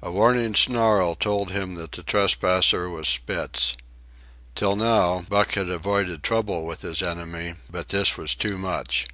A warning snarl told him that the trespasser was Spitz. Till now Buck had avoided trouble with his enemy, but this was too much.